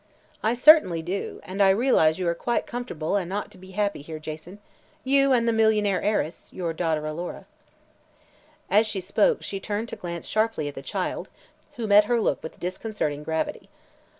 "I certainly do, and I realize you are quite comfortable and ought to be happy here, Jason you and the millionaire heiress, your daughter Alora." As she spoke she turned to glance sharply at the child, who met her look with disconcerting gravity.